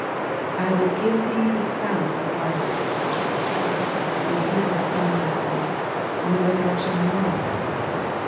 *' I will give thee the crown of life !" See Him crowned with life, on the resurrection morning.